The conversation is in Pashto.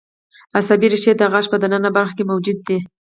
عصبي رشتې د غاښ په د ننه برخه کې موجود دي.